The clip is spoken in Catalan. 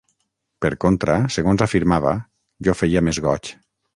Per contra, segons afirmava, jo feia més goig.